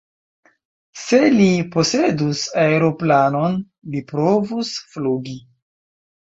Se li posedus aeroplanon, li provus flugi.